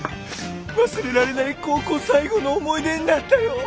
忘れられない高校最後の思い出になったよ。